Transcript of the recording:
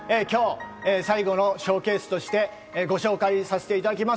今日、最後のＳＨＯＷＣＡＳＥとしてご紹介させていただきます。